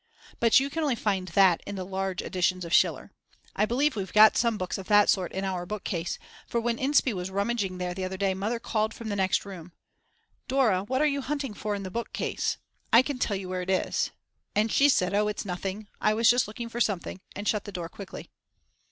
But you can only find that in the large editions of Schiller. I believe we've got some books of that sort in our bookcase, for when Inspee was rummaging there the other day Mother called from the next room: "Dora, what are you hunting for in the bookcase? I can tell you where it is." And she said: Oh, it's nothing, I was just looking for something, and shut the door quickly.